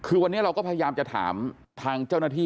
คือวันนี้เราก็พยายามจะถามทางเจ้าหน้าที่